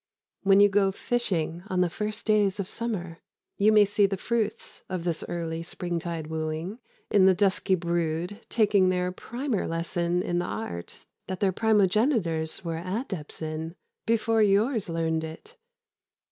When you go fishing in the first days of summer, you may see the fruits of this early springtide wooing in the dusky brood taking their primer lesson in the art that their primogenitors were adepts in before yours learned it.